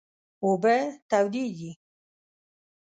اوبه تودې دي